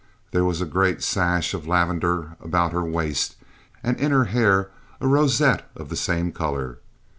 There was a great sash of lavender about her waist, and in her hair a rosette of the same color.